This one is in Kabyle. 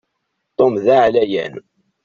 Tom d aɛlayan.